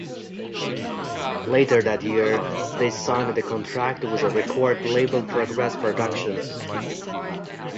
Later that year, they signed a contract with the record label Progress Productions.